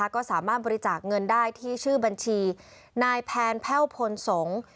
ก็สามารถบริจาคเงินได้ที่ชื่อบัญชีนายแพนแพ่วพลสงฆ์